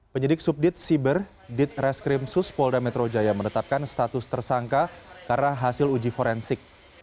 penyidik subdit siber ditreskrim suspolda metro jaya menetapkan status tersangka karena hasil uji forensik